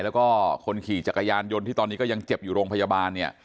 แล้วก็คนขี่จักรยานยนต์ที่ตอนนี้ก็ยังเจ็บอยู่โรงพยาบาลเนี่ย